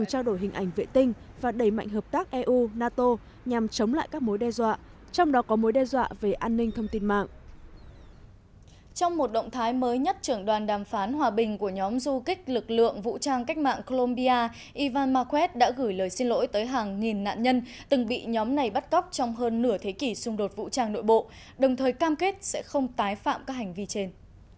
trong một động thái mới nhất trưởng đoàn đàm phán hòa bình của nhóm du kích lực lượng vũ trang cách mạng colombia ivan marquez đã gửi lời xin lỗi tới hàng nghìn nạn nhân từng bị nhóm này bắt cóc trong hơn nửa thế kỷ xung đột vũ trang nội bộ đồng thời cam kết sẽ không tái phạm các hành vi trên